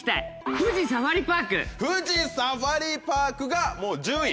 富士サファリパークが１０位。